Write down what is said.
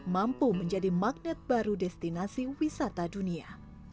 mampu menjadi magnet baru destinasi wisata dunia